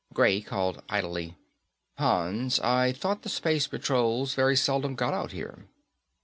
Gray called idly, "Hans, I thought the space patrols very seldom got out here."